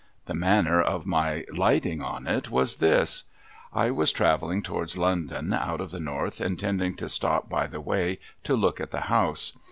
The manner of my lighting on it was this. I was travelling towards London out of the North, intending to stop by the way, to look at the house.